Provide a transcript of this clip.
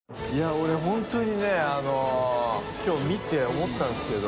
俺本当にねきょう見て思ったんですけど。